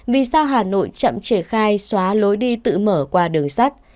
vì sao hà nội chậm triển khai xóa lối đi tự mở qua đường sắt